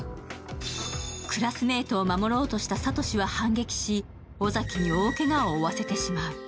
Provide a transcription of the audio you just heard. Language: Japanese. クラスメイトを守ろうとした聡は反撃し尾崎に大けがを負わせてしまう。